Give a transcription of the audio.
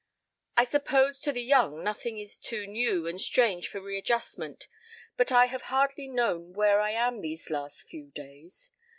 I suppose to the young nothing is too new and strange for readjustment, but I have hardly known where I am these last few days.